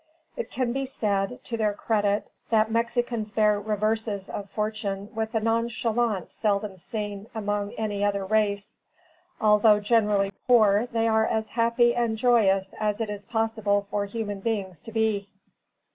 It can be said, to their credit, that Mexicans bear reverses of fortune with a nonchalance seldom seen among any other race. Although generally poor they are as happy and joyous as it is possible for human beings to be.